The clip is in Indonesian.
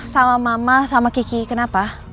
sama mama sama kiki kenapa